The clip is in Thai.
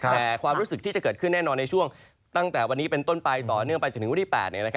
แต่ความรู้สึกที่ไปในช่วงตั้งแต่วันนี้เป็นต้นไปต่อเนื่องไปจะถึงวิธี๘